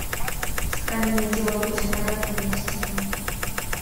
Сохранение дел в обычном порядке недопустимо.